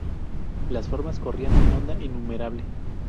Las formas corrían en onda innumerable.